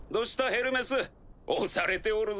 ヘルメス押されておるぞ。